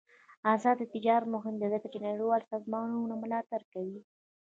آزاد تجارت مهم دی ځکه چې نړیوال سازمانونه ملاتړ کوي.